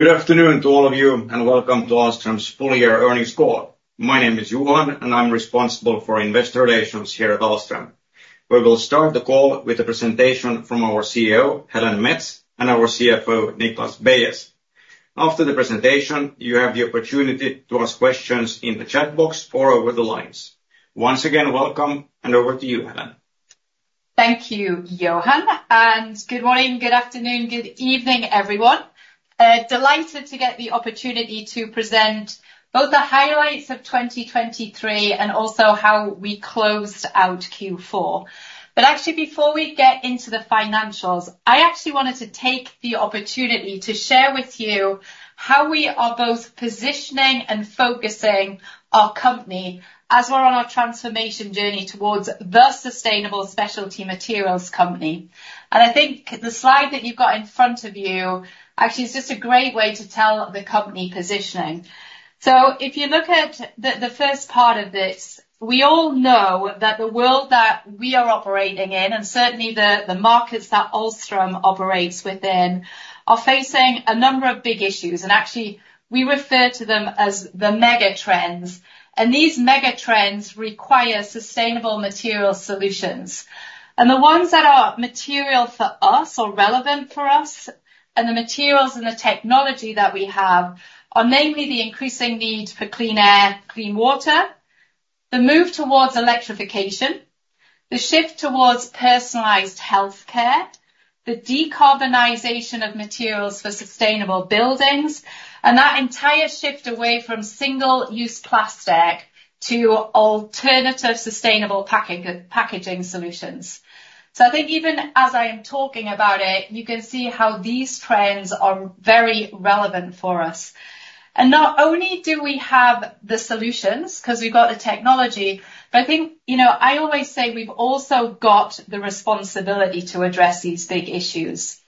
Good afternoon to all of you, and welcome to Ahlstrom's full-year earnings call. My name is Johan, and I'm responsible for investor relations here at Ahlstrom. We will start the call with a presentation from our CEO, Helen Mets, and our CFO, Niklas Beyes. After the presentation, you have the opportunity to ask questions in the chat box or over the lines. Once again, welcome, and over to you, Helen. Thank you, Johan, and good morning, good afternoon, good evening, everyone. Delighted to get the opportunity to present both the highlights of 2023 and also how we closed out Q4. But actually, before we get into the financials, I actually wanted to take the opportunity to share with you how we are both positioning and focusing our company as we're on our transformation journey towards the sustainable specialty materials company. And I think the slide that you've got in front of you actually is just a great way to tell the company positioning. So if you look at the, the first part of this, we all know that the world that we are operating in, and certainly the, the markets that Ahlstrom operates within, are facing a number of big issues, and actually, we refer to them as the mega trends. These mega trends require sustainable material solutions. The ones that are material for us or relevant for us, and the materials and the technology that we have, are namely the increasing need for clean air, clean water, the move towards electrification, the shift towards personalized healthcare, the decarbonization of materials for sustainable buildings, and that entire shift away from single-use plastic to alternative sustainable packaging solutions. So I think even as I am talking about it, you can see how these trends are very relevant for us. Not only do we have the solutions, 'cause we've got the technology, but I think, you know, I always say we've also got the responsibility to address these big issues.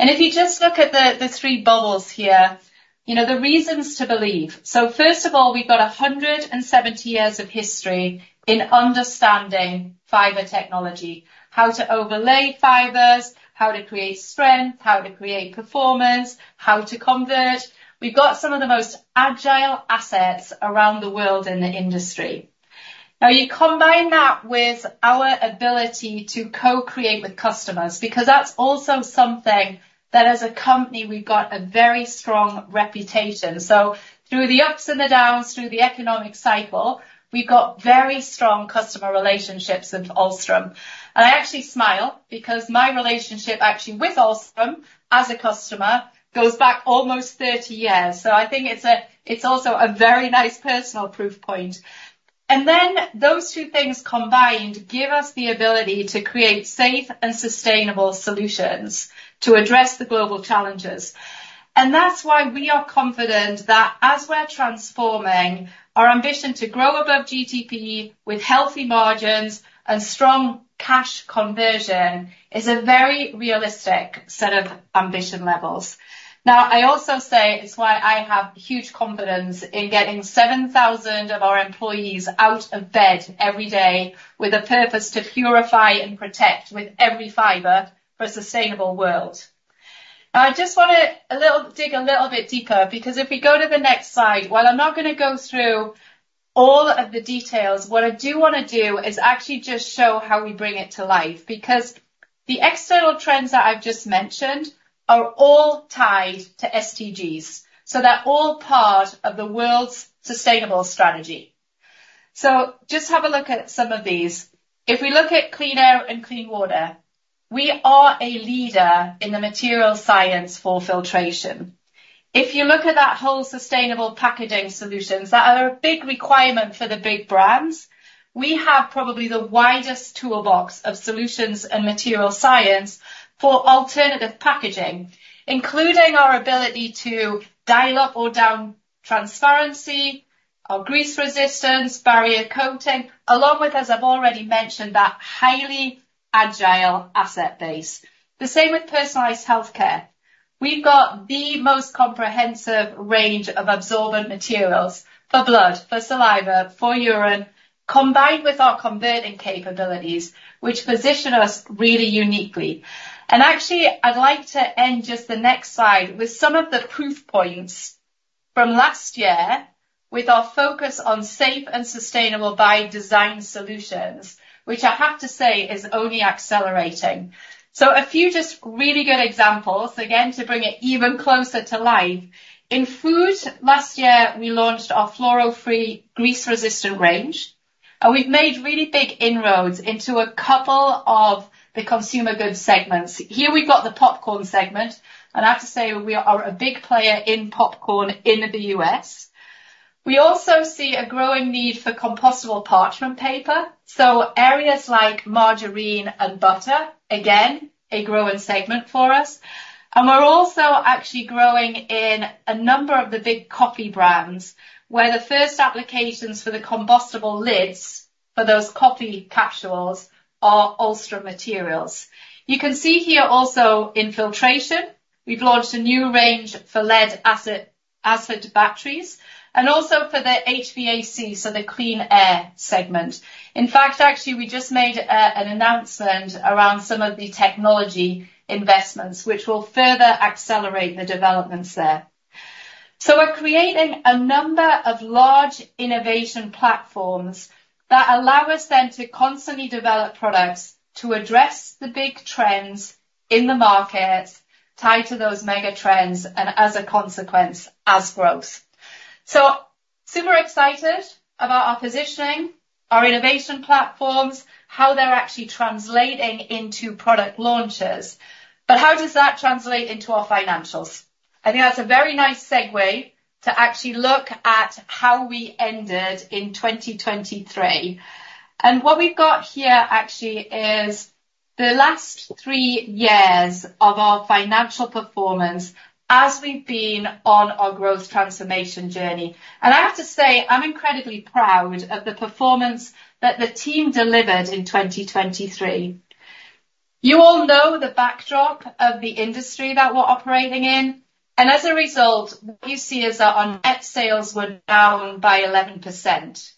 If you just look at the three bubbles here, you know, the reasons to believe. So first of all, we've got 170 years of history in understanding fiber technology, how to overlay fibers, how to create strength, how to create performance, how to convert. We've got some of the most agile assets around the world in the industry. Now, you combine that with our ability to co-create with customers, because that's also something that, as a company, we've got a very strong reputation. So through the ups and the downs, through the economic cycle, we've got very strong customer relationships with Ahlstrom. And I actually smile, because my relationship actually with Ahlstrom, as a customer, goes back almost 30 years. So I think it's also a very nice personal proof point. And then, those two things combined give us the ability to create safe and sustainable solutions to address the global challenges. And that's why we are confident that as we're transforming, our ambition to grow above GTP with healthy margins and strong cash conversion is a very realistic set of ambition levels. Now, I also say it's why I have huge confidence in getting 7,000 of our employees out of bed every day with a purpose to purify and protect with every fiber for a sustainable world. Now, I just wanna dig a little bit deeper, because if we go to the next slide, while I'm not gonna go through all of the details, what I do wanna do is actually just show how we bring it to life, because the external trends that I've just mentioned are all tied to SDGs, so they're all part of the world's sustainable strategy. So just have a look at some of these. If we look at clean air and clean water, we are a leader in the material science for filtration. If you look at that whole sustainable packaging solutions, that are a big requirement for the big brands, we have probably the widest toolbox of solutions and material science for alternative packaging, including our ability to dial up or down transparency or grease resistance, barrier coating, along with, as I've already mentioned, that highly agile asset base. The same with personalized healthcare. We've got the most comprehensive range of absorbent materials for blood, for saliva, for urine, combined with our converting capabilities, which position us really uniquely. Actually, I'd like to end just the next slide with some of the proof points from last year with our focus on safe and sustainable by design solutions, which I have to say is only accelerating. So a few just really good examples, again, to bring it even closer to life. In food last year, we launched our fluoro-free, grease-resistant range, and we've made really big inroads into a couple of the consumer goods segments. Here we've got the popcorn segment, and I have to say, we are a big player in popcorn in the U.S. We also see a growing need for compostable parchment paper, so areas like margarine and butter, again, a growing segment for us. And we're also actually growing in a number of the big coffee brands, where the first applications for the compostable lids for those coffee capsules are Ahlstrom materials. You can see here also in filtration, we've launched a new range for lead acid batteries, and also for the HVAC, so the clean air segment. In fact, actually, we just made an announcement around some of the technology investments, which will further accelerate the developments there. So we're creating a number of large innovation platforms that allow us then to constantly develop products to address the big trends in the market tied to those mega trends, and as a consequence, as growth. So super excited about our positioning, our innovation platforms, how they're actually translating into product launches. But how does that translate into our financials? I think that's a very nice segue to actually look at how we ended in 2023. And what we've got here, actually, is the last three years of our financial performance as we've been on our growth transformation journey. And I have to say, I'm incredibly proud of the performance that the team delivered in 2023. You all know the backdrop of the industry that we're operating in, and as a result, you see, our net sales were down by 11%.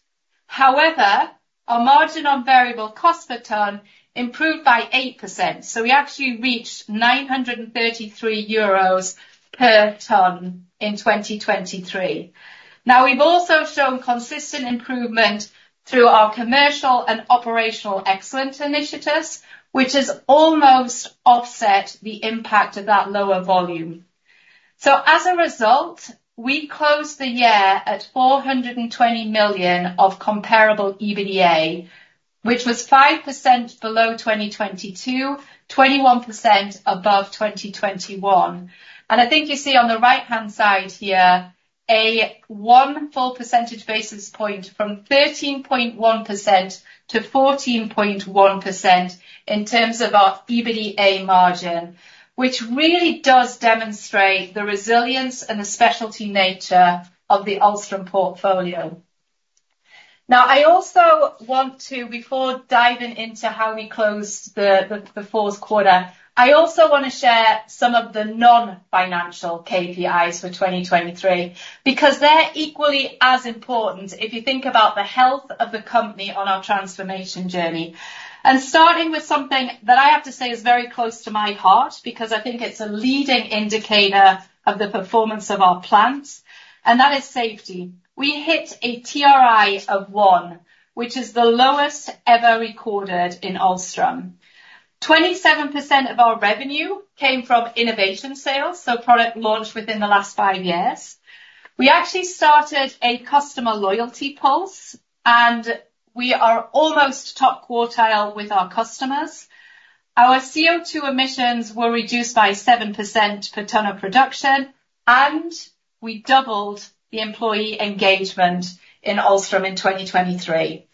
However, our margin on variable cost per ton improved by 8%, so we actually reached 933 euros per ton in 2023. Now, we've also shown consistent improvement through our commercial and operational excellence initiatives, which has almost offset the impact of that lower volume. So as a result, we closed the year at 420 million of comparable EBITDA, which was 5% below 2022, 21% above 2021. I think you see on the right-hand side here a one full percentage basis point from 13.1%-14.1% in terms of our EBITDA margin, which really does demonstrate the resilience and the specialty nature of the Ahlstrom portfolio. Now, I also want to, before diving into how we closed the fourth quarter, I also wanna share some of the non-financial KPIs for 2023, because they're equally as important if you think about the health of the company on our transformation journey. Starting with something that I have to say is very close to my heart, because I think it's a leading indicator of the performance of our plants, and that is safety. We hit a TRI of one, which is the lowest ever recorded in Ahlstrom. 27% of our revenue came from innovation sales, so product launched within the last five years. We actually started a customer loyalty pulse, and we are almost top quartile with our customers. Our CO2 emissions were reduced by 7% per ton of production, and we doubled the employee engagement in Ahlstrom in 2023.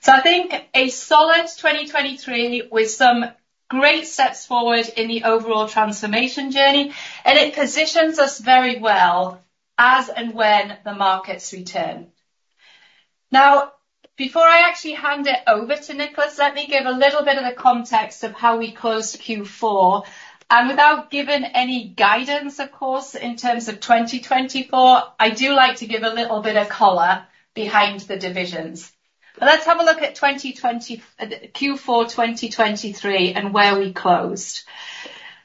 So I think a solid 2023 with some great steps forward in the overall transformation journey, and it positions us very well as and when the markets return. Now, before I actually hand it over to Niklas, let me give a little bit of the context of how we closed Q4. Without giving any guidance, of course, in terms of 2024, I do like to give a little bit of color behind the divisions. But let's have a look at Q4 2023, and where we closed.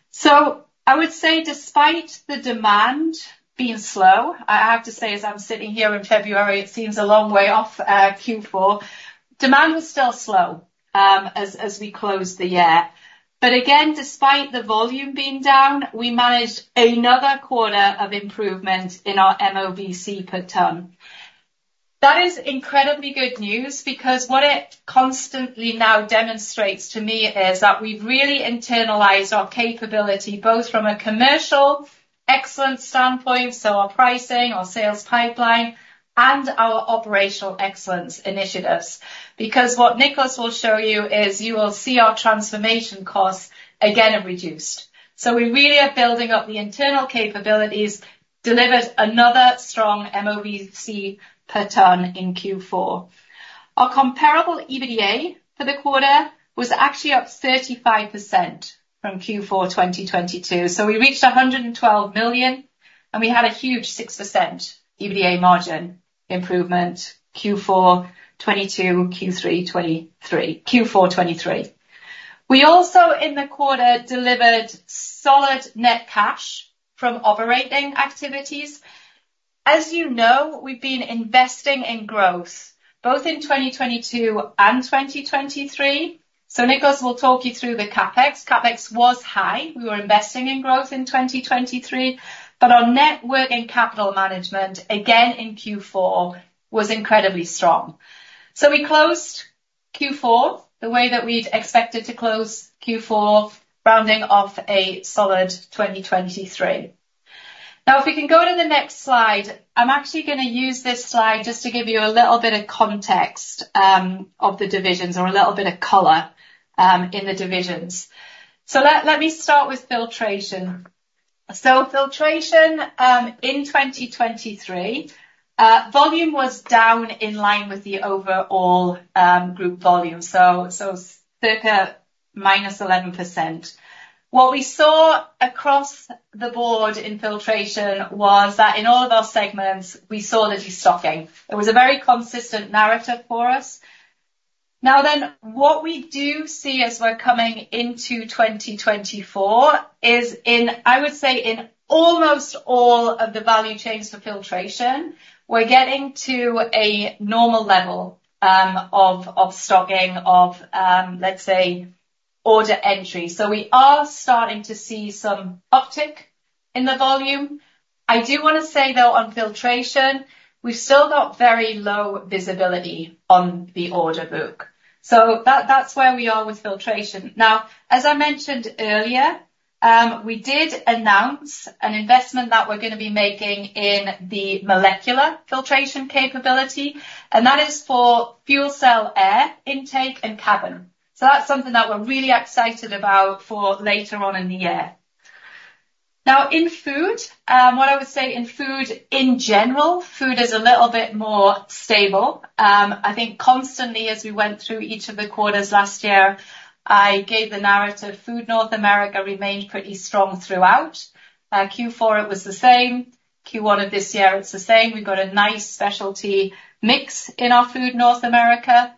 So I would say despite the demand being slow, I have to say, as I'm sitting here in February, it seems a long way off, Q4. Demand was still slow as we closed the year. But again, despite the volume being down, we managed another quarter of improvement in our MOVC per ton. That is incredibly good news because what it constantly now demonstrates to me is that we've really internalized our capability, both from a commercial excellence standpoint, so our pricing, our sales pipeline, and our operational excellence initiatives. Because what Niklas will show you is you will see our transformation costs again are reduced. So we really are building up the internal capabilities, delivered another strong MOVC per ton in Q4. Our comparable EBITDA for the quarter was actually up 35% from Q4 2022, so we reached 112 million, and we had a huge 6% EBITDA margin improvement, Q4 2022, Q3 2023 - Q4 2023. We also, in the quarter, delivered solid net cash from operating activities. As you know, we've been investing in growth both in 2022 and 2023, so Niklas will talk you through the CapEx. CapEx was high. We were investing in growth in 2023, but our net working capital management, again in Q4, was incredibly strong. So we closed Q4 the way that we'd expected to close Q4, rounding off a solid 2023. Now, if we can go to the next slide, I'm actually gonna use this slide just to give you a little bit of context of the divisions or a little bit of color in the divisions. So let me start with Filtration. So Filtration, in 2023, volume was down in line with the overall group volume, so circa -11%. What we saw across the board in Filtration was that in all of our segments, we saw the destocking. It was a very consistent narrative for us. Now then, what we do see as we're coming into 2024 is in, I would say, in almost all of the value chains for Filtration, we're getting to a normal level of stocking of, let's say, order entry. So we are starting to see some uptick in the volume. I do wanna say, though, on Filtration, we've still got very low visibility on the order book. So that's where we are with Filtration. Now, as I mentioned earlier, we did announce an investment that we're gonna be making in the molecular filtration capability, and that is for fuel cell air intake and cabin. So that's something that we're really excited about for later on in the year. Now, in food, what I would say in food, in general, food is a little bit more stable. I think constantly, as we went through each of the quarters last year, I gave the narrative, Food North America remained pretty strong throughout. Q4, it was the same. Q1 of this year, it's the same. We've got a nice specialty mix in our Food North America.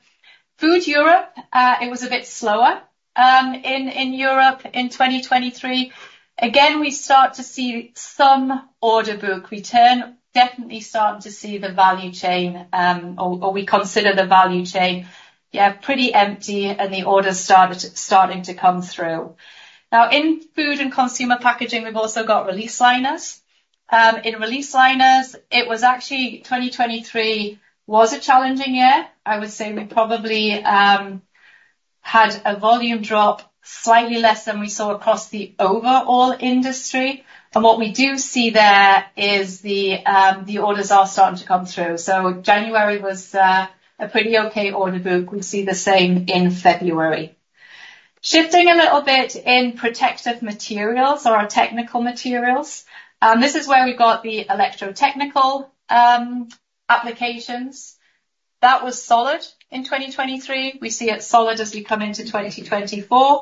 Food Europe, it was a bit slower in Europe in 2023. Again, we start to see some order book return. Definitely starting to see the value chain, or we consider the value chain, yeah, pretty empty, and the orders starting to come through. Now, in food and consumer packaging, we've also got release liners. In release liners, it was actually 2023 was a challenging year. I would say we probably had a volume drop slightly less than we saw across the overall industry. And what we do see there is the orders are starting to come through. So January was a pretty okay order book. We see the same in February. Shifting a little bit in protective materials or our technical materials, this is where we've got the electrotechnical applications. That was solid in 2023. We see it solid as we come into 2024.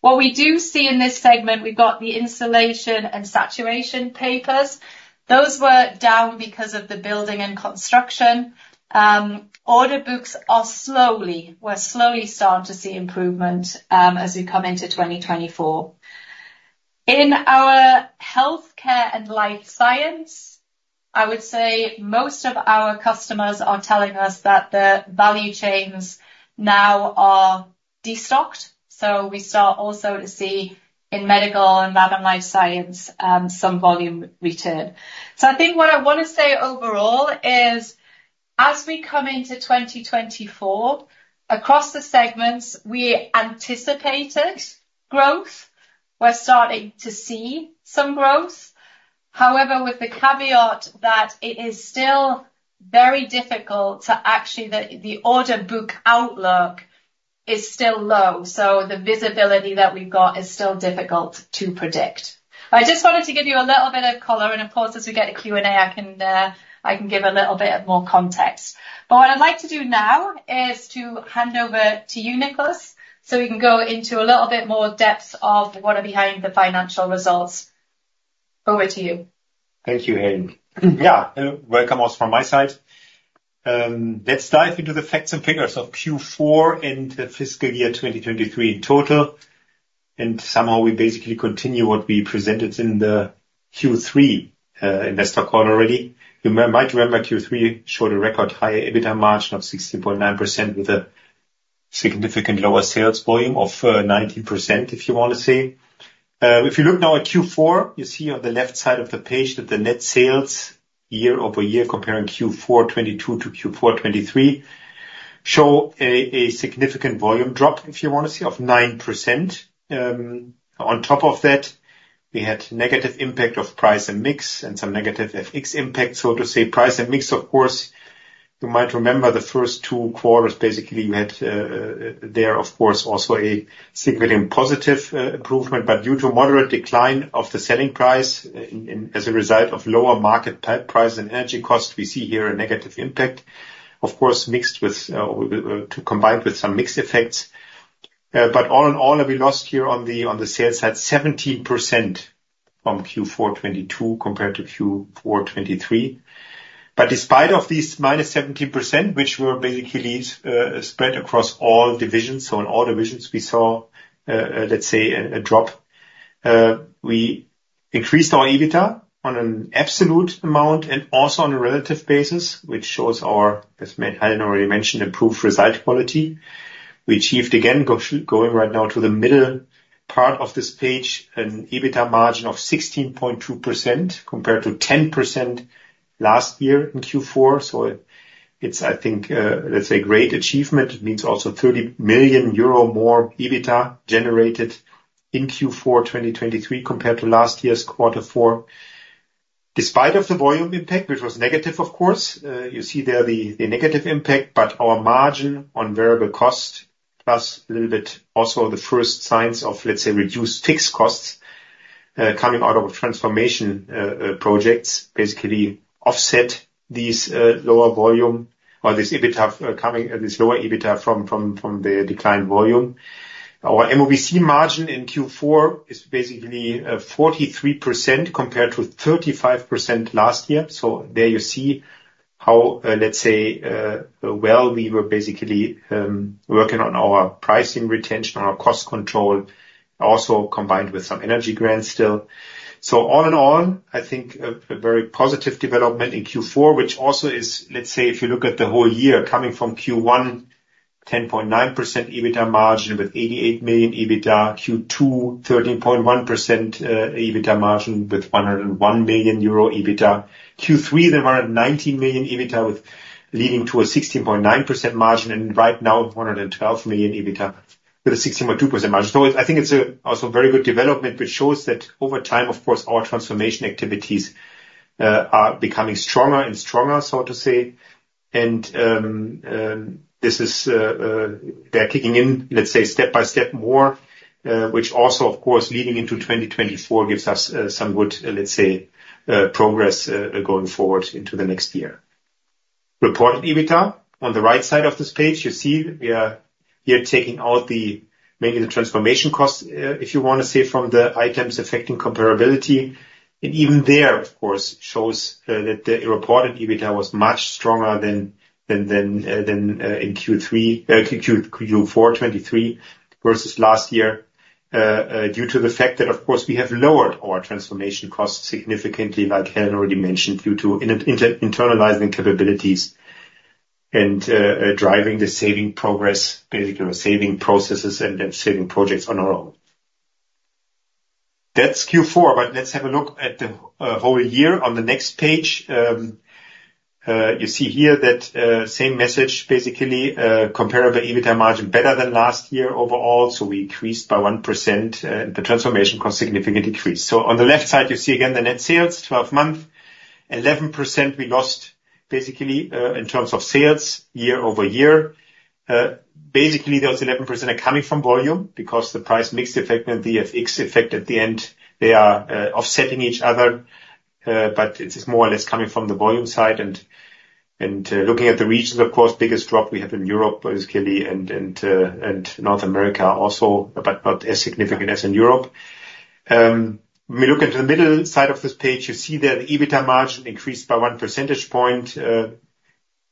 What we do see in this segment, we've got the insulation and saturation papers. Those were down because of the building and construction. Order books are slowly, we're slowly starting to see improvement, as we come into 2024. In our healthcare and life science, I would say most of our customers are telling us that the value chains now are destocked, so we start also to see, in medical and life science, some volume return. So I think what I wanna say overall is, as we come into 2024, across the segments, we anticipated growth. We're starting to see some growth, however, with the caveat that it is still very difficult to actually, the order book outlook is still low, so the visibility that we've got is still difficult to predict. I just wanted to give you a little bit of color, and of course, as we get a Q&A, I can, I can give a little bit more context. But what I'd like to do now is to hand over to you, Niklas, so we can go into a little bit more depth of what are behind the financial results. Over to you. Thank you, Helen. Yeah, welcome also from my side. Let's dive into the facts and figures of Q4 and the fiscal year 2023 in total, and somehow we basically continue what we presented in the Q3 investor call already. You might remember, Q3 showed a record high EBITDA margin of 16.9%, with a significant lower sales volume of 90%, if you want to say. If you look now at Q4, you see on the left side of the page that the net sales year-over-year, comparing Q4 2022 to Q4 2023, show a significant volume drop, if you want to see, of 9%. On top of that, we had negative impact of price and mix and some negative FX impact. So to say price and mix, of course, you might remember the first two quarters, basically, you had there, of course, also a significant positive improvement. But due to moderate decline of the selling price, in, as a result of lower market price and energy costs, we see here a negative impact. Of course, mixed with, to combine with some mixed effects. But all in all, we lost here on the sales side, 17% from Q4 2022 compared to Q4 2023. But despite of these -17%, which were basically spread across all divisions, so in all divisions we saw, let's say, a drop. We increased our EBITDA on an absolute amount and also on a relative basis, which shows our, as Helen already mentioned, improved result quality. We achieved, again, going right now to the middle part of this page, an EBITDA margin of 16.2% compared to 10% last year in Q4. So it's, I think, let's say, great achievement. It means also 30 million euro more EBITDA generated in Q4 2023 compared to last year's quarter four. Despite of the volume impact, which was negative, of course, you see there the negative impact, but our margin on variable cost, plus little bit also the first signs of, let's say, reduced fixed costs coming out of transformation projects basically offset these lower volume or this lower EBITDA from the declined volume. Our MOVC margin in Q4 is basically 43% compared to 35% last year. So there you see how, let's say, well, we were basically working on our pricing retention, on our cost control, also combined with some energy grants still. So all in all, I think a very positive development in Q4, which also is, let's say, if you look at the whole year, coming from Q1, 10.9% EBITDA margin with 88 million EBITDA, Q2 13.1% EBITDA margin with 101 million euro EBITDA. Q3, the 119 million EBITDA, with leading to a 16.9% margin, and right now, 112 million EBITDA with a 16.2% margin. So I think it's a also very good development, which shows that over time, of course, our transformation activities are becoming stronger and stronger, so to say. This is they're kicking in, let's say, step by step more, which also, of course, leading into 2024, gives us some good, let's say, progress going forward into the next year. Reported EBITDA, on the right side of this page, you see we are here taking out mainly the transformation costs, if you want to say, from the items affecting comparability. Even there, of course, shows that the reported EBITDA was much stronger than in Q3, Q4 2023 versus last year. Due to the fact that, of course, we have lowered our transformation costs significantly, like Helen already mentioned, due to internalizing capabilities and driving the saving progress, basically, the saving processes and the saving projects on our own. That's Q4, but let's have a look at the whole year. On the next page, you see here that same message, basically, comparable EBITDA margin, better than last year overall, so we increased by 1%, and the transformation cost significantly decreased. So on the left side, you see again the net sales, 12-month. 11% we lost, basically, in terms of sales year-over-year. Basically, those 11% are coming from volume because the price mix effect and the FX effect at the end, they are offsetting each other, but it is more or less coming from the volume side. Looking at the regions, of course, biggest drop we have in Europe, basically, and North America also, but not as significant as in Europe. When we look at the middle side of this page, you see that the EBITDA margin increased by one percentage point.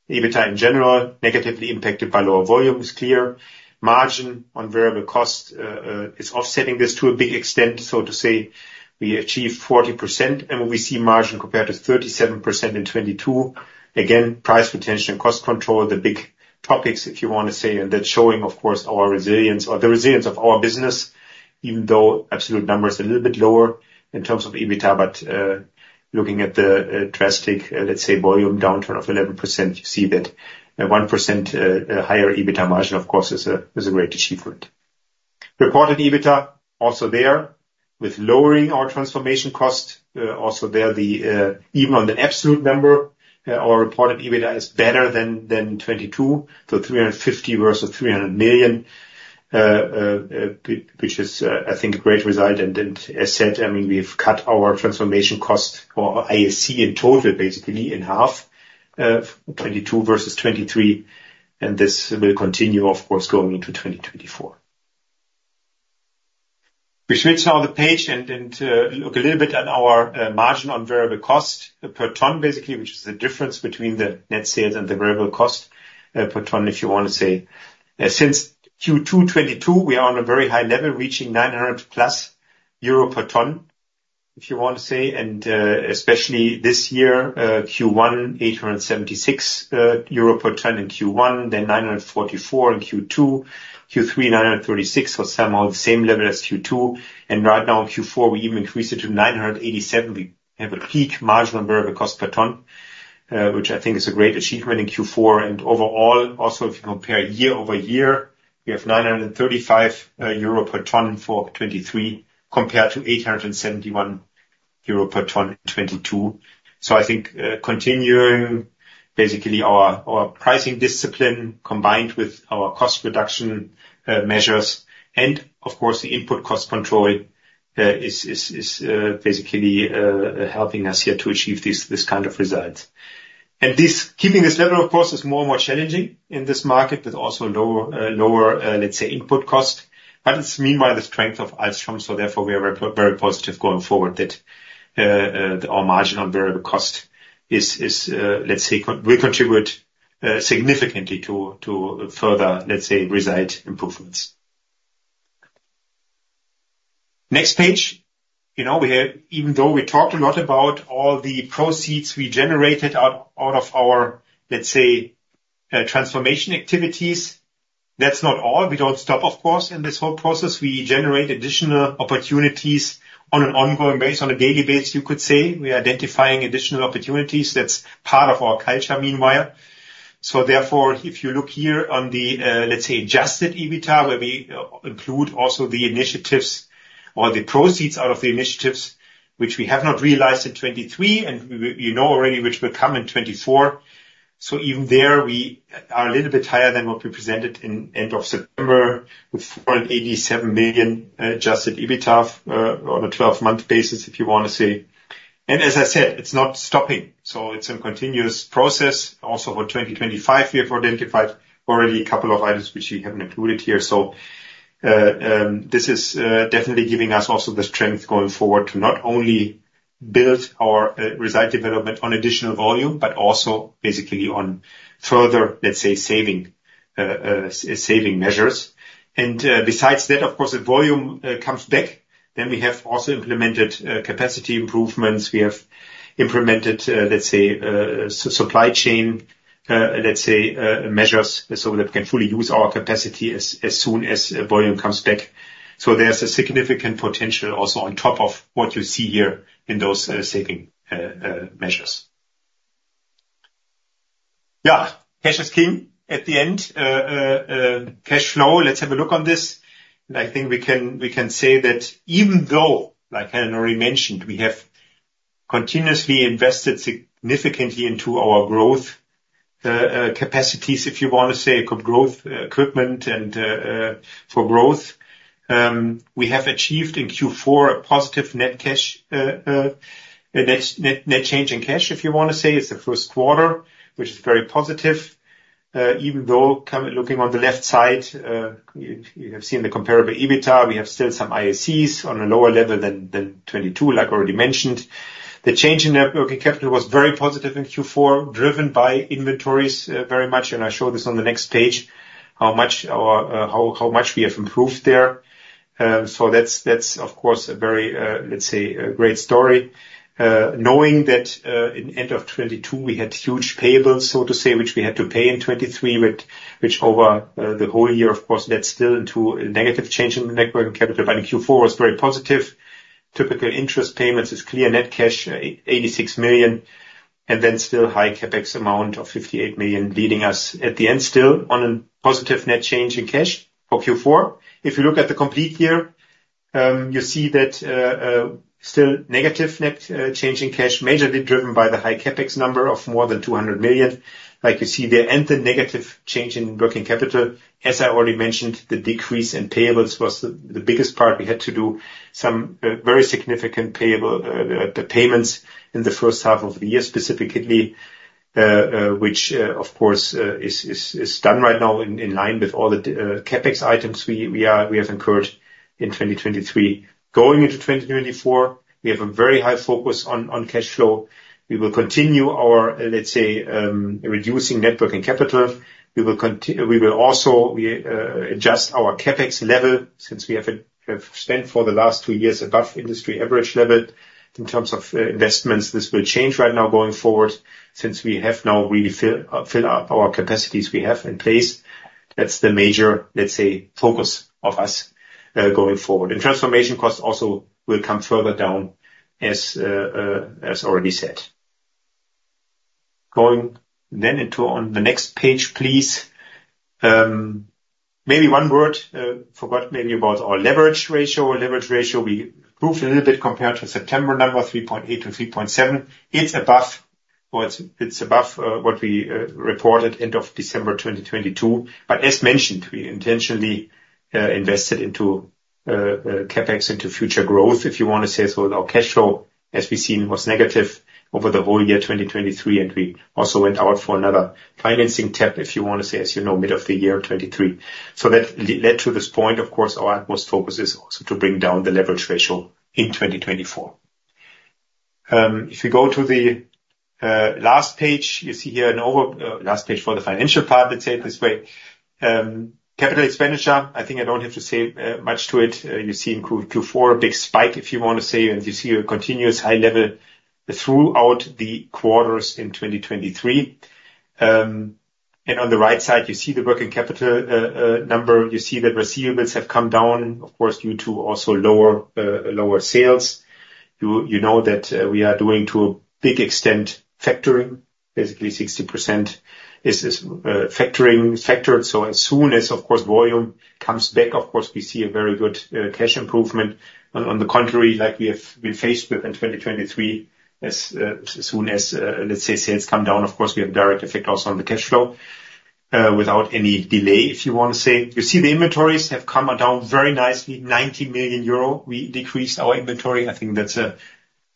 EBITDA in general, negatively impacted by lower volume, is clear. Margin on variable cost is offsetting this to a big extent, so to say we achieved 40% and we see margin compared to 37% in 2022. Again, price retention and cost control are the big topics, if you want to say, and that's showing, of course, our resilience or the resilience of our business, even though absolute number is a little bit lower in terms of EBITDA. But looking at the drastic, let's say, volume downturn of 11%, you see that a 1% higher EBITDA margin, of course, is a great achievement. Reported EBITDA also there, with lowering our transformation cost, also there, even on the absolute number, our reported EBITDA is better than 2022, so 350 million versus 300 million, which is, I think, a great result. As said, I mean, we've cut our transformation cost or IAC in total, basically in half, 2022 versus 2023, and this will continue, of course, going into 2024. We switch now the page and look a little bit at our margin on variable cost per ton, basically, which is the difference between the net sales and the variable cost per ton, if you want to say. Since Q2 2022, we are on a very high level, reaching 900+ euro per ton, if you want to say, and, especially this year, Q1, 876 euro per ton in Q1, then 944 in Q2, Q3, 936 for some on the same level as Q2. And right now in Q4, we even increased it to 987. We have a peak margin on variable cost per ton, which I think is a great achievement in Q4. And overall, also, if you compare year-over-year, we have 935 euro per ton for 2023, compared to 871 euro per ton in 2022. So I think, continuing, basically, our pricing discipline combined with our cost reduction measures and of course, the input cost control is basically helping us here to achieve this kind of results. And this, keeping this level, of course, is more and more challenging in this market, with also lower, lower, let's say, input cost, but it's meanwhile the strength of Ahlstrom, so therefore, we are very positive going forward that our margin on variable cost is, let's say, will contribute significantly to further, let's say, result improvements. Next page. You know, we have, even though we talked a lot about all the proceeds we generated out of our, let's say, transformation activities, that's not all. We don't stop, of course, in this whole process. We generate additional opportunities on an ongoing basis, on a daily basis, you could say. We are identifying additional opportunities that's part of our culture, meanwhile. So therefore, if you look here on the, let's say, adjusted EBITDA, where we include also the initiatives or the proceeds out of the initiatives, which we have not realized in 2023, and we, we know already which will come in 2024. So even there, we are a little bit higher than what we presented in end of September, with 487 million adjusted EBITDA on a 12-month basis, if you want to say. And as I said, it's not stopping, so it's a continuous process. Also for 2025, we have identified already a couple of items which we haven't included here. So, this is definitely giving us also the strength going forward to not only build our reside development on additional volume, but also basically on further, let's say, saving measures. Besides that, of course, if volume comes back, then we have also implemented capacity improvements. We have implemented, let's say, supply chain, let's say, measures, so that we can fully use our capacity as soon as volume comes back. So there's a significant potential also on top of what you see here in those saving measures. Yeah, cash is king. At the end, cash flow, let's have a look on this. I think we can say that even though, like Helen already mentioned, we have continuously invested significantly into our growth capacities, if you want to say, growth equipment and for growth. We have achieved in Q4 a positive net cash net change in cash, if you want to say. It's the first quarter, which is very positive. Even though looking on the left side, you have seen the comparable EBITDA, we have still some IACs on a lower level than 22, like I already mentioned. The change in net working capital was very positive in Q4, driven by inventories very much, and I show this on the next page, how much we have improved there. So that's, that's of course, a very, let's say, a great story. Knowing that, at the end of 2022, we had huge payables, so to say, which we had to pay in 2023, which over the whole year, of course, led still into a negative change in the net working capital, but in Q4 was very positive. Typical interest payments, it's clear, net cash 86 million, and then still high CapEx amount of 58 million, leading us at the end, still on a positive net change in cash for Q4. If you look at the complete year, you see that, still negative net change in cash, majorly driven by the high CapEx number of more than 200 million. Like you see there, and the negative change in working capital. As I already mentioned, the decrease in payables was the biggest part. We had to do some very significant payments in the first half of the year, specifically, which, of course, is done right now in line with all the CapEx items we have incurred in 2023. Going into 2024, we have a very high focus on cash flow. We will continue our, let's say, reducing Net Working Capital. We will also adjust our CapEx level since we have spent for the last two years above industry average level in terms of investments. This will change right now going forward, since we have now really fill up our capacities we have in place. That's the major, let's say, focus of us going forward. And transformation costs also will come further down, as already said. Going then into on the next page, please. Maybe one word, forgot maybe about our leverage ratio. Leverage ratio, we improved a little bit compared to September number, 3.8 to 3.7. It's above, well, it's above what we reported end of December 2022. But as mentioned, we intentionally invested into CapEx, into future growth, if you want to say so. Our cash flow, as we've seen, was negative over the whole year, 2023, and we also went out for another financing tap, if you want to say, as you know, middle of the year, 2023. So that led to this point, of course, our utmost focus is also to bring down the leverage ratio in 2024. If you go to the last page, you see here the last page for the financial part, let's say it this way. Capital expenditure, I think I don't have to say much to it. You see in Q4, a big spike, if you want to say, and you see a continuous high level throughout the quarters in 2023. And on the right side, you see the working capital number. You see that receivables have come down, of course, due to also lower sales. You know that we are doing to a big extent factoring. Basically, 60% is factoring, so as soon as, of course, volume comes back, of course, we see a very good cash improvement. On the contrary, like we have been faced with in 2023, as soon as, let's say, sales come down, of course, we have direct effect also on the cash flow without any delay, if you want to say. You see the inventories have come down very nicely, 90 million euro. We decreased our inventory. I think that's a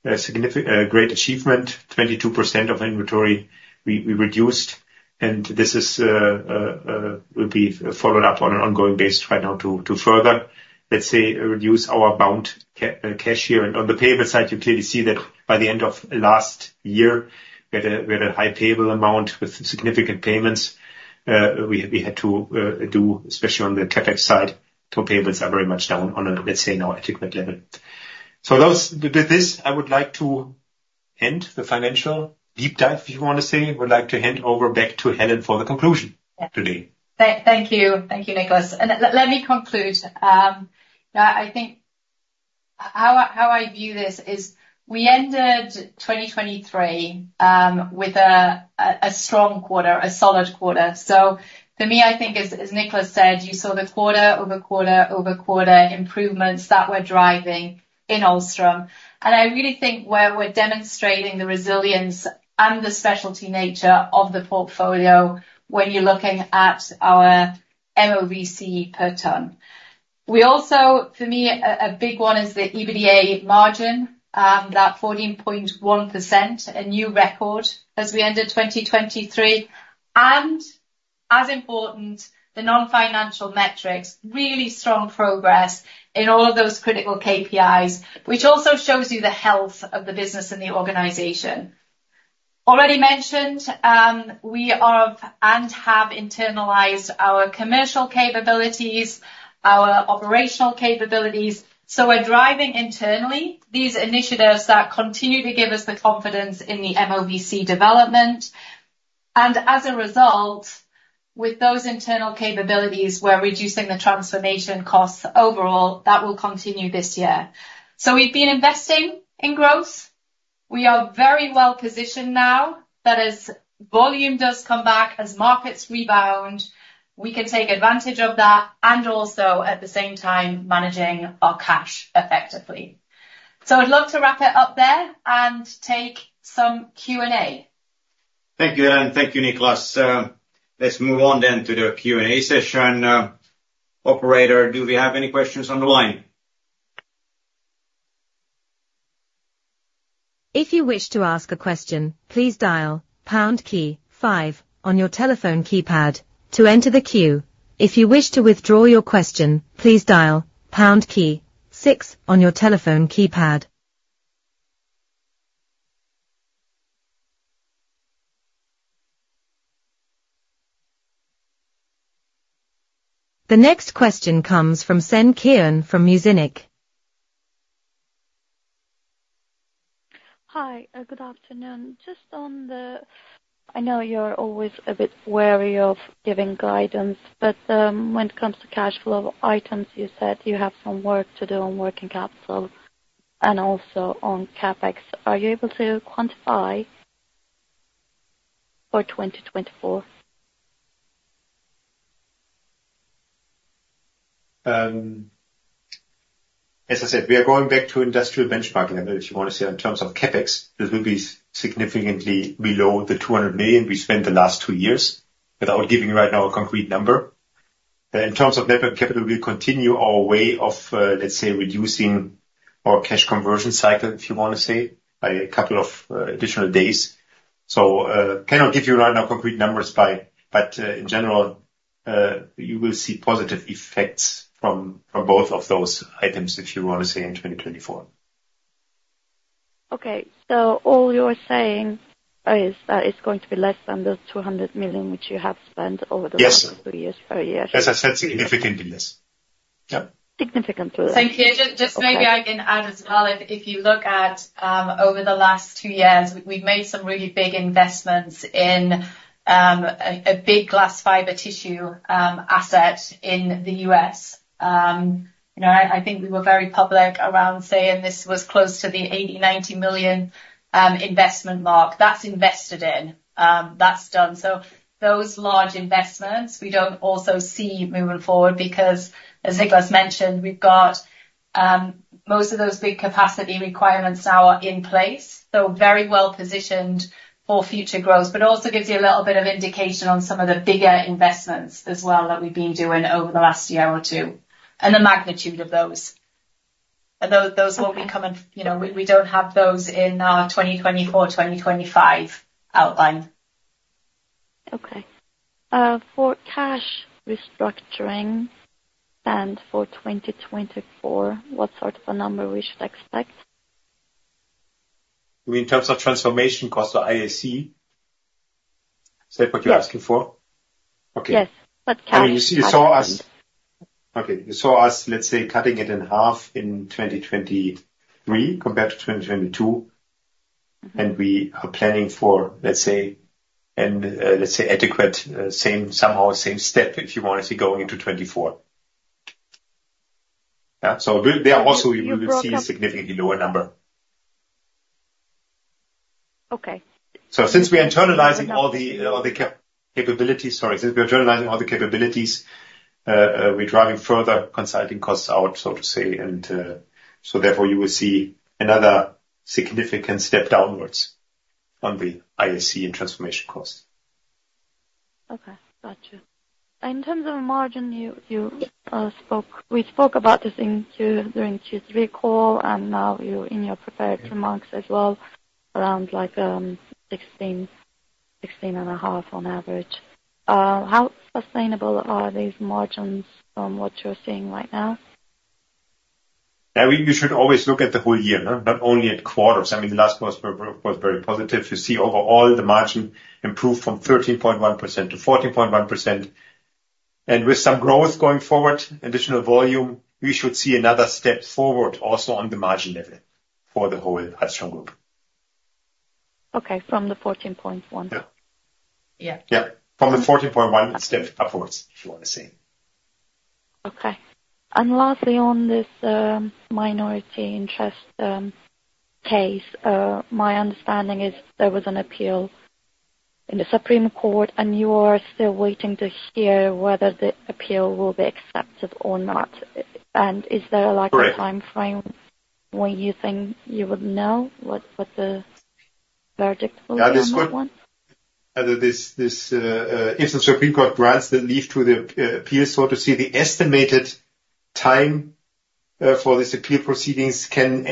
great achievement, 22% of inventory we reduced, and this will be followed up on an ongoing basis to try now to further, let's say, reduce our bound cash here. On the payment side, you clearly see that by the end of last year, we had a high payable amount with significant payments. We had to do, especially on the CapEx side, so payments are very much down on a, let's say, now adequate level. So those, with this, I would like to end the financial deep dive, if you want to say. I would like to hand over back to Helen for the conclusion today. Thank you. Thank you, Niklas. Let me conclude. I think how I view this is we ended 2023 with a strong quarter, a solid quarter. For me, I think as Niklas said, you saw the quarter-over-quarter improvements that we're driving in Ahlstrom. And I really think where we're demonstrating the resilience and the specialty nature of the portfolio when you're looking at our MOVC per ton. We also, for me, a big one is the EBITDA margin that 14.1%, a new record as we ended 2023, and as important, the non-financial metrics, really strong progress in all of those critical KPIs, which also shows you the health of the business and the organization. Already mentioned, we are off and have internalized our commercial capabilities, our operational capabilities, so we're driving internally these initiatives that continue to give us the confidence in the MOVC development. And as a result, with those internal capabilities, we're reducing the transformation costs overall. That will continue this year. So we've been investing in growth. We are very well positioned now, that as volume does come back, as markets rebound, we can take advantage of that and also, at the same time, managing our cash effectively. So I'd love to wrap it up there and take some Q&A. Thank you, Helen. Thank you, Niklas. Let's move on then to the Q&A session. Operator, do we have any questions on the line? If you wish to ask a question, please dial pound key five on your telephone keypad to enter the queue. If you wish to withdraw your question, please dial pound key six on your telephone keypad. The next question comes from Senan Kiran from Muzinich. Hi, good afternoon. Just on the, I know you're always a bit wary of giving guidance, but, when it comes to cash flow items, you said you have some work to do on working capital and also on CapEx. Are you able to quantify for 2024? As I said, we are going back to industrial benchmarking, if you want to say, in terms of CapEx, this will be significantly below the 200 million we spent the last two years, without giving you right now a concrete number. In terms of Net Working Capital, we continue our way of, let's say, reducing our cash conversion cycle, if you want to say, by a couple of additional days. So, cannot give you right now concrete numbers, but in general, you will see positive effects from both of those items, if you want to say, in 2024. Okay. So all you're saying is that it's going to be less than 200 million, which you have spent over the- Yes last two years, per year. As I said, significantly less. Yeah. Significantly less. Thank you. Just maybe I can add as well. If you look at over the last two years, we've made some really big investments in a big Glass Fiber Tissue asset in the U.S. You know, I think we were very public around saying this was close to the 80 million-90 million investment mark. That's invested in, that's done. So those large investments, we don't also see moving forward because, as Niklas mentioned, we've got most of those big capacity requirements now are in place, so very well positioned for future growth, but also gives you a little bit of indication on some of the bigger investments as well, that we've been doing over the last year or two, and the magnitude of those. Those won't be coming, you know, we don't have those in our 2024, 2025 outline. Okay. For cash restructuring and for 2024, what sort of a number we should expect? You mean in terms of transformation cost or IAC? Is that what you're asking for? Yes. Okay. Yes, but- I mean, you saw us, let's say, cutting it in half in 2023 compared to 2022, and we are planning for, let's say, adequate, same, somehow same step, if you want to see, going into 2024. Yeah, so we there also, you will see a significantly lower number. Okay. So since we're internalizing all the capabilities, we're driving further consulting costs out, so to say, and so therefore you will see another significant step downwards on the IAC and transformation costs. Okay, got you. In terms of the margin, we spoke about this in Q3 during Q3 call, and now you in your prepared remarks as well, around like 16, 16.5 on average. How sustainable are these margins from what you're seeing right now? I mean, you should always look at the whole year, not only at quarters. I mean, the last quarter was very positive. You see overall, the margin improved from 13.1% to 14.1%, and with some growth going forward, additional volume, we should see another step forward also on the margin level for the whole Ahlstrom Group. Okay, from the 14.1%? Yeah. Yeah. Yeah, from the 14.1%, it's still upwards, if you want to see. Okay. Lastly, on this minority interest case, my understanding is there was an appeal in the Supreme Court, and you are still waiting to hear whether the appeal will be accepted or not. And is there like- Correct. A timeframe when you think you would know what, what the verdict will be on that one? If the Supreme Court grants the leave to the appeal, so the estimated time for this appeal proceedings can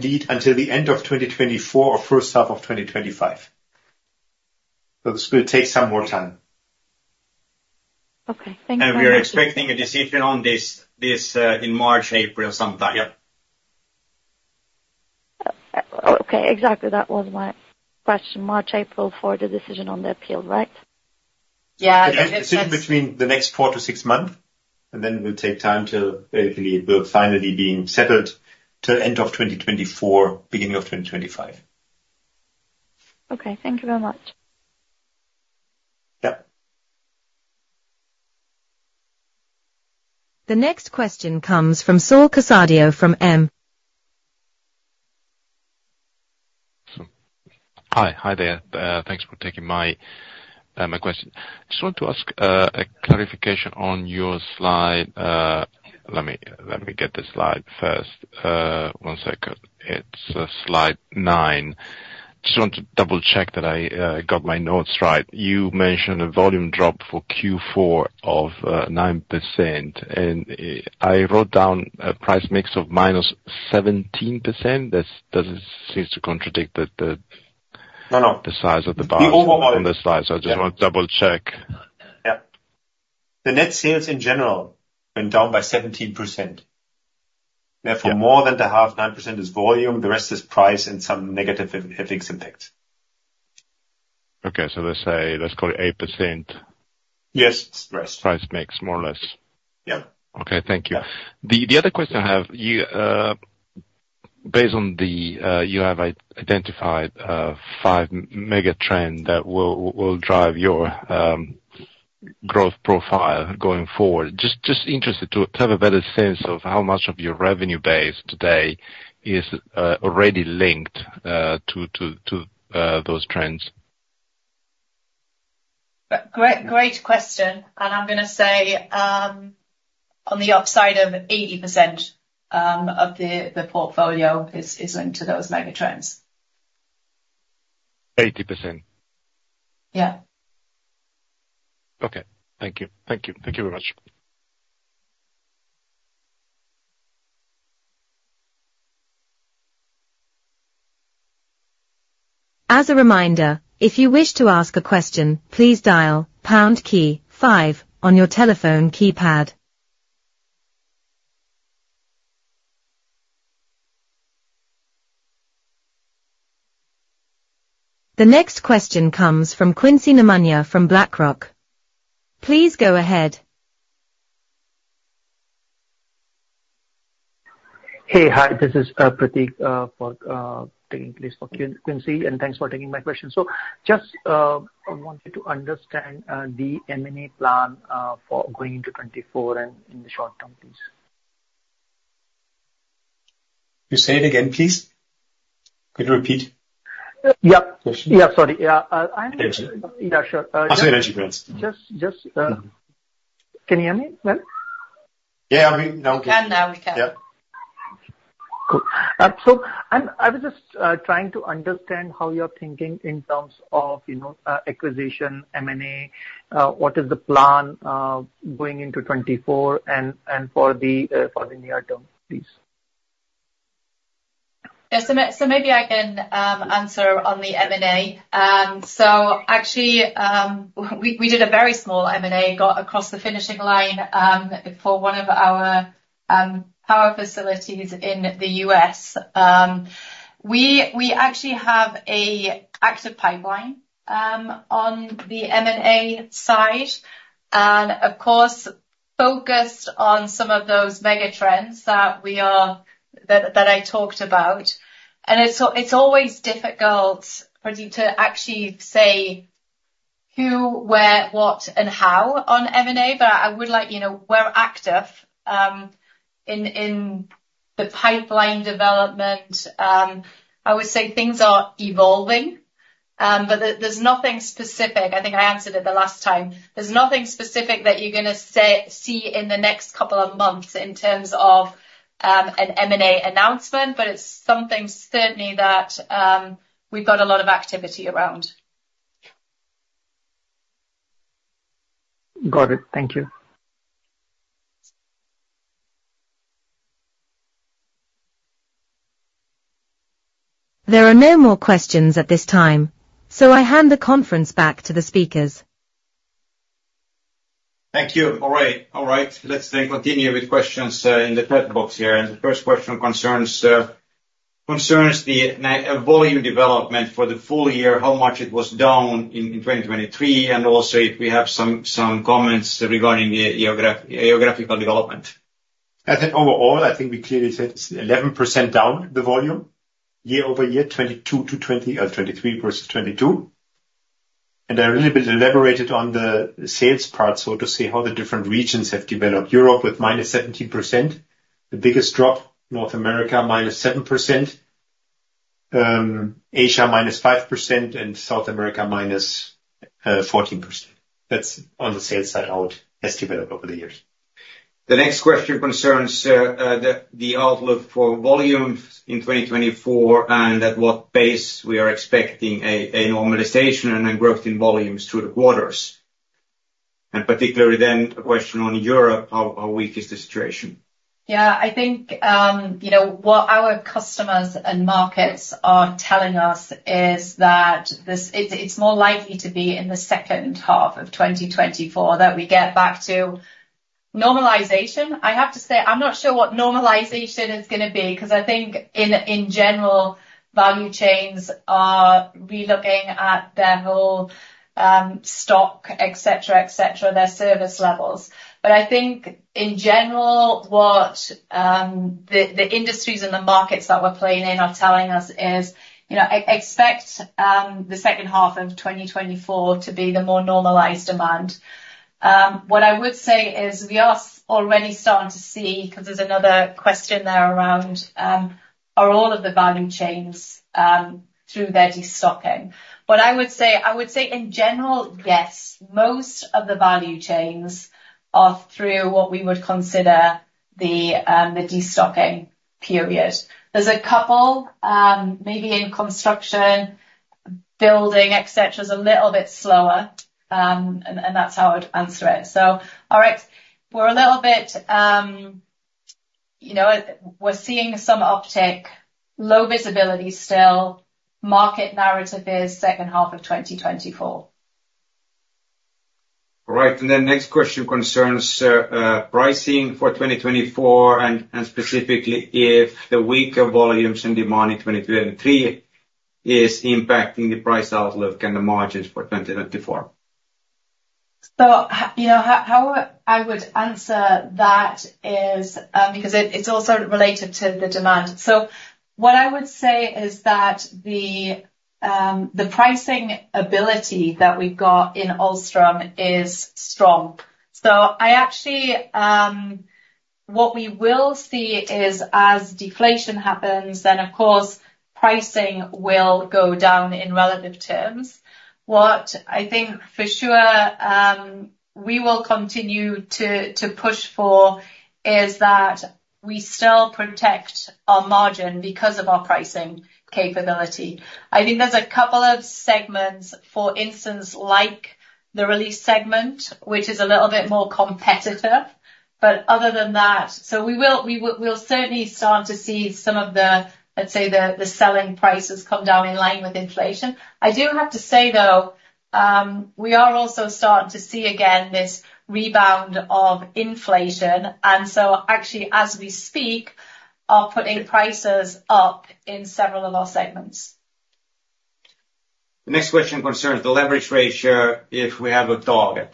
lead until the end of 2024 or first half of 2025. So this will take some more time. Okay, thank you very much. We are expecting a decision on this in March, April, sometime. Yep. Okay, exactly. That was my question, March, April, for the decision on the appeal, right? Yeah, I think it's- Between the next four to six months, and then it will take time till basically it will finally being settled to end of 2024, beginning of 2025. Okay, thank you very much. Yeah. The next question comes from Saul Casadio from M. Hi. Hi there. Thanks for taking my question. Just want to ask a clarification on your slide. Let me get the slide first. One second. It's slide nine. Just want to double-check that I got my notes right. You mentioned a volume drop for Q4 of 9%, and I wrote down a price mix of -17%. That seems to contradict the, the- No, no the size of the bar- The overall On the slide. So I just want to double-check. Yeah. The net sales in general went down by 17%. Yeah. Therefore, more than half, 9% is volume, the rest is price and some negative FX effects impact. Okay, so let's say, let's call it 8%. Yes, price. Price mix, more or less. Yeah. Okay, thank you. Yeah. The other question I have. You have identified five mega trends that will drive your growth profile going forward. Just interested to have a better sense of how much of your revenue base today is already linked to those trends. Great, great question, and I'm gonna say, on the upside of 80%, of the portfolio is linked to those mega trends. Eighty percent? Yeah. Okay. Thank you. Thank you. Thank you very much. As a reminder, if you wish to ask a question, please dial pound key five on your telephone keypad. The next question comes from Quincy Namanya from BlackRock. Please go ahead. Hey, hi, this is Prateek for taking place for Quincy, and thanks for taking my question. So just I wanted to understand the M&A plan for going into 2024 and in the short term, please. You say it again, please. Could you repeat? Yep. Yes. Yeah, sorry. Yeah, I'm- Yeah, sure. Just... Can you hear me now? Yeah, we now can. We can now, we can. Yeah. Cool. So I'm—I was just trying to understand how you're thinking in terms of, you know, acquisition, M&A, what is the plan going into 2024 and for the near term, please? Yeah. So maybe I can answer on the M&A. So actually, we did a very small M&A, got across the finishing line for one of our power facilities in the U.S. We actually have an active pipeline on the M&A side, and of course, focused on some of those mega trends that I talked about. And it's always difficult, Pratik, to actually say who, where, what, and how on M&A, but I would like you to know we're active in the pipeline development. I would say things are evolving, but there's nothing specific. I think I answered it the last time. There's nothing specific that you're gonna see in the next couple of months in terms of an M&A announcement, but it's something certainly that we've got a lot of activity around. Got it. Thank you. There are no more questions at this time, so I hand the conference back to the speakers. Thank you. All right, all right. Let's then continue with questions in the chat box here, and the first question concerns the volume development for the full-year, how much it was down in 2023, and also if we have some comments regarding the geographical development. I think overall, I think we clearly said it's 11% down, the volume, year-over-year, 2022 to 2023 versus 2022. And I a little bit elaborated on the sales part, so to say, how the different regions have developed. Europe with -17%, the biggest drop, North America, -7%, Asia, -5%, and South America, -14%. That's on the sales side, how it has developed over the years. The next question concerns the outlook for volume in 2024 and at what pace we are expecting a normalization and then growth in volumes through the quarters. And particularly then, a question on Europe, how weak is the situation? Yeah, I think, you know, what our customers and markets are telling us is that this... It, it's more likely to be in the second half of 2024 that we get back to normalization. I have to say, I'm not sure what normalization is gonna be, 'cause I think in general, value chains are relooking at their whole stock, et cetera, et cetera, their service levels. But I think, in general, what the industries and the markets that we're playing in are telling us is, you know, expect the second half of 2024 to be the more normalized demand. What I would say is we are already starting to see, 'cause there's another question there around, are all of the value chains through their destocking. What I would say, in general, yes, most of the value chains are through what we would consider the destocking period. There's a couple, maybe in construction, building, et cetera, is a little bit slower, and that's how I'd answer it. So all right, we're a little bit, you know, we're seeing some uptick, low visibility still. Market narrative is second half of 2024. Right. And the next question concerns pricing for 2024, and specifically, if the weaker volumes and demand in 2022 and 2023 is impacting the price outlook and the margins for 2024. So you know, how I would answer that is, because it's also related to the demand. So what I would say is that the pricing ability that we've got in Ahlstrom is strong. So I actually, What we will see is, as deflation happens, then, of course, pricing will go down in relative terms. What I think for sure, we will continue to push for is that we still protect our margin because of our pricing capability. I think there's a couple of segments, for instance, like the release segment, which is a little bit more competitive, but other than that, So we will certainly start to see some of the, let's say, the selling prices come down in line with inflation. I do have to say, though, we are also starting to see again this rebound of inflation, and so actually, as we speak, are putting prices up in several of our segments. The next question concerns the leverage ratio, if we have a target.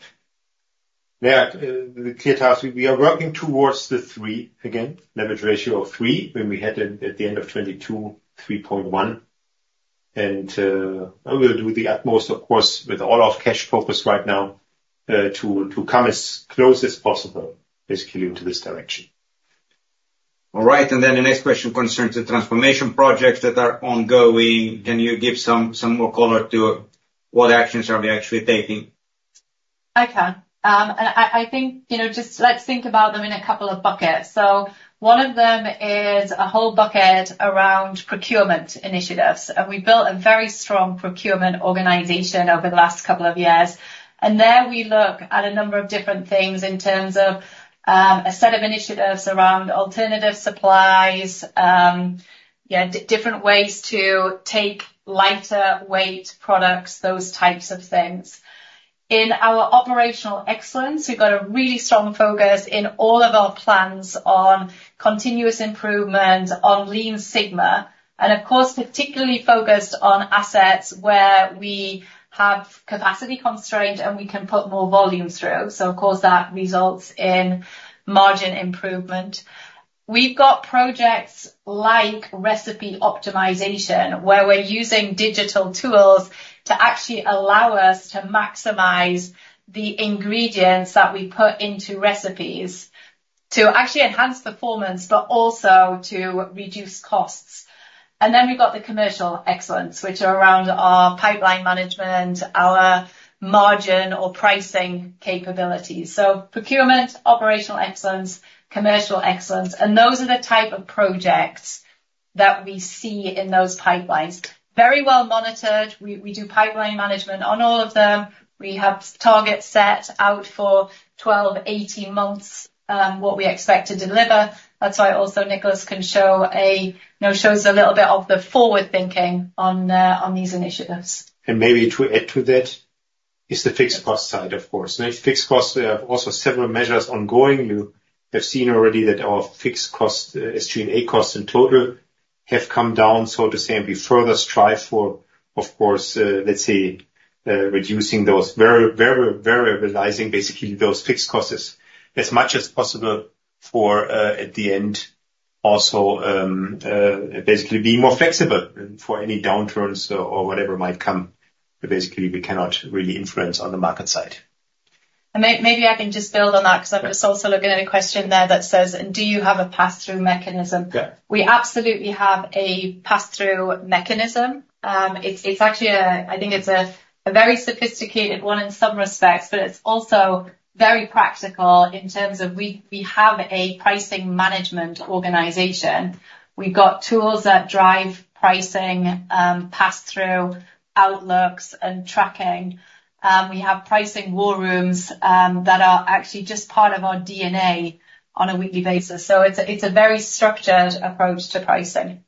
Yeah, the clear target, we are working towards the 3 again, Leverage Ratio of 3, when we had it at the end of 2022, 3.1. And, we'll do the utmost, of course, with all our cash focus right now, to come as close as possible, basically, into this direction. All right, and then the next question concerns the transformation projects that are ongoing. Can you give some more color to what actions are we actually taking? I can. And I think, you know, just let's think about them in a couple of buckets. So one of them is a whole bucket around procurement initiatives, and we built a very strong procurement organization over the last couple of years. And there, we look at a number of different things in terms of a set of initiatives around alternative supplies, different ways to take lighter weight products, those types of things. In our operational excellence, we've got a really strong focus in all of our plans on continuous improvement on Lean Sigma, and of course, particularly focused on assets where we have capacity constraint, and we can put more volumes through. So of course, that results in margin improvement. We've got projects like recipe optimization, where we're using digital tools to actually allow us to maximize the ingredients that we put into recipes to actually enhance performance but also to reduce costs. And then we've got the commercial excellence, which are around our pipeline management, our margin or pricing capabilities. So procurement, operational excellence, commercial excellence, and those are the type of projects that we see in those pipelines. Very well monitored. We do pipeline management on all of them. We have targets set out for 12, 18 months, what we expect to deliver. That's why also Niklas can show a, you know, shows a little bit of the forward thinking on these initiatives. And maybe to add to that, is the fixed cost side, of course. Now, fixed costs, we have also several measures ongoing. You have seen already that our fixed cost, SG&A costs in total have come down, so to say, and we further strive for, of course, let's say, reducing those very, very, very realizing basically those fixed costs as much as possible for, at the end, also, basically being more flexible and for any downturns or, or whatever might come, that basically we cannot really influence on the market side. Maybe I can just build on that. Yeah. 'Cause I'm just also looking at a question there that says: "Do you have a pass-through mechanism? Yeah. We absolutely have a pass-through mechanism. It's actually a, I think it's a very sophisticated one in some respects, but it's also very practical in terms of we have a pricing management organization. We've got tools that drive pricing, pass-through, outlooks, and tracking. We have pricing war rooms that are actually just part of our DNA on a weekly basis. So it's a very structured approach to pricing.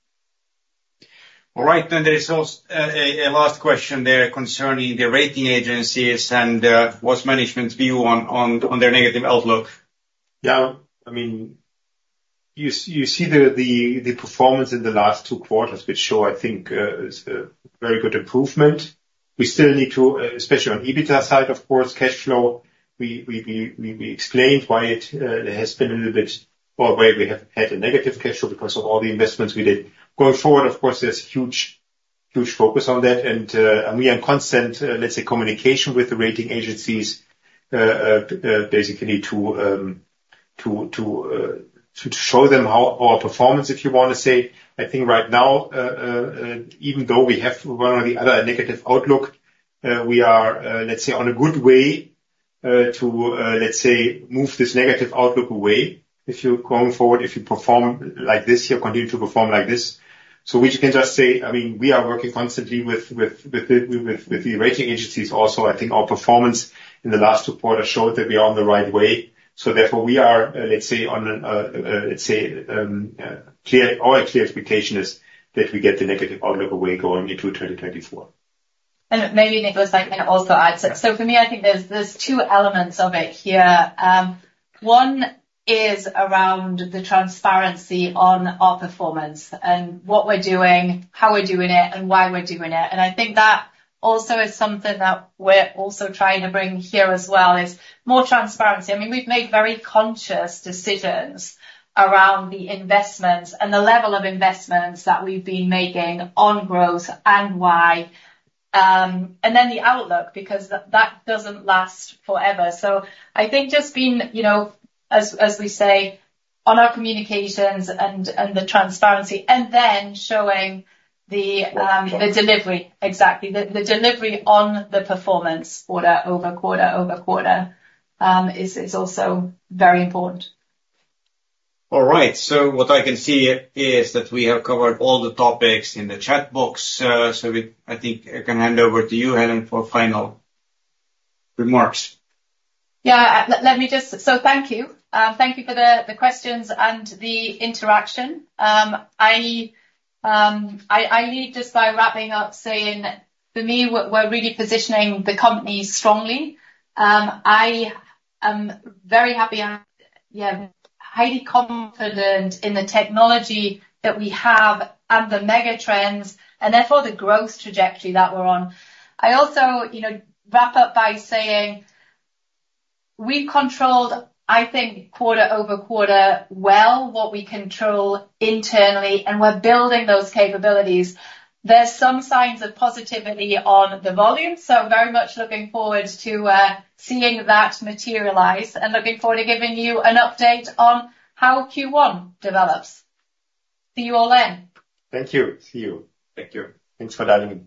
All right, then there is also a last question there concerning the rating agencies and what's management's view on their negative outlook? Yeah, I mean, you see the performance in the last two quarters, which show, I think, is a very good improvement. We still need to, especially on EBITDA side, of course, cash flow, we explained why it has been a little bit, or where we have had a negative cash flow because of all the investments we did. Going forward, of course, there's huge, huge focus on that, and we are in constant, let's say, communication with the rating agencies, basically, to show them our performance, if you want to say. I think right now, even though we have one or the other, a negative outlook, we are, let's say, on a good way, to, let's say, move this negative outlook away. If you're going forward, if you perform like this, you continue to perform like this. So we can just say, I mean, we are working constantly with the rating agencies also. I think our performance in the last two quarters showed that we are on the right way. So therefore, our clear expectation is that we get the negative outlook away going into 2024. Maybe, Niklas, I can also add. Yeah. So for me, I think there's two elements of it here. One is around the transparency on our performance and what we're doing, how we're doing it, and why we're doing it, and I think that also is something that we're also trying to bring here as well, is more transparency. I mean, we've made very conscious decisions around the investments and the level of investments that we've been making on growth and why, and then the outlook, because that doesn't last forever. So I think just being, you know, as we say, on our communications and the transparency, and then showing the delivery. Exactly. The delivery on the performance quarter-over-quarter is also very important. All right, so what I can see is that we have covered all the topics in the chat box, so I think I can hand over to you, Helen, for final remarks. Yeah. Let me just, So thank you. Thank you for the questions and the interaction. I leave just by wrapping up, saying for me, we're really positioning the company strongly. I am very happy and, yeah, highly confident in the technology that we have and the mega trends, and therefore, the growth trajectory that we're on. I also, you know, wrap up by saying, we've controlled, I think, quarter-over-quarter well, what we control internally, and we're building those capabilities. There's some signs of positivity on the volume, so very much looking forward to seeing that materialize and looking forward to giving you an update on how Q1 develops. See you all then. Thank you. See you. Thank you. Thanks for dialing in.